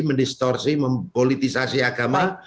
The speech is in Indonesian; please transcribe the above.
mendistorsi mempolitisasi agama